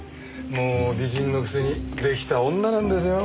もう美人のくせに出来た女なんですよ。